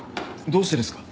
どうしてですか？